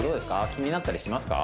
気になったりしますか？